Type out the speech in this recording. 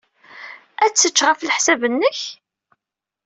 Ad tečč, ɣef leḥsab-nnek?